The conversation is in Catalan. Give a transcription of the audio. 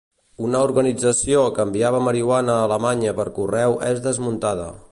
Una organització que enviava marihuana a Alemanya per correu és desmuntada.